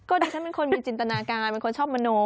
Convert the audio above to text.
ก็ดูเขาเป็นคนจินตนาการคนชอบมโน